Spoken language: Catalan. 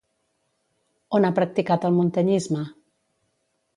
On ha practicat el muntanyisme?